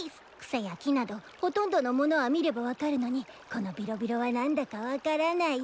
草や木などほとんどのものは見れば分かるのにこのびろびろは何だか分からない。